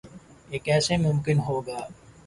یہ کیسے ممکن ہو گا؟